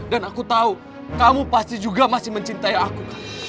dan aku tahu kamu pasti juga masih mencintai aku